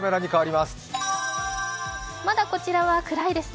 まだこちらは暗いですね。